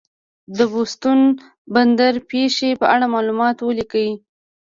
د بوستون بندر پېښې په اړه معلومات ولیکئ.